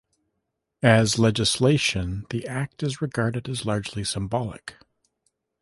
As legislation, the Act is regarded as largely symbolic.